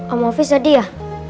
om fis jadi ya